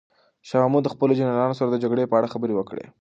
شاه محمود د خپلو جنرالانو سره د جګړې په اړه خبرې وکړې.